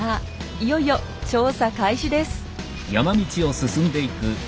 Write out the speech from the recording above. いよいよ調査開始です。